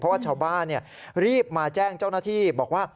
เพราะว่าชาวบ้านรีบมาแจ้งเจ้าหน้าที่บอกว่า